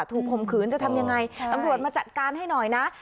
ข่มขืนจะทำยังไงตำรวจมาจัดการให้หน่อยนะ